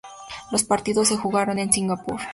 Los partidos se jugaron en Singapur.